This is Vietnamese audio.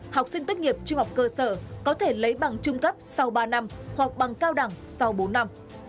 học sinh tốt nghiệp trung học cơ sở có thể lấy bằng trung cấp sau ba năm hoặc bằng cao đẳng sau bốn năm